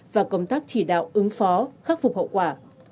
và công tác chỉ đạo ứng phó khắc phục hậu quả